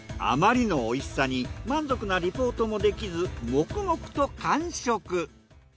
あまりの美味しさに満足なリポートもできず黙々と完食。